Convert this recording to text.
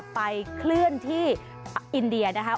ไปเคลื่อนที่อินเดียนะครับ